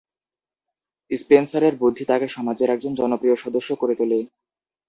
স্পেন্সারের বুদ্ধি তাঁকে সমাজের একজন জনপ্রিয় সদস্য করে তোলে।